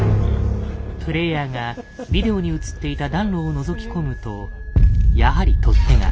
プレイヤーがビデオに映っていた暖炉をのぞき込むとやはり取っ手が。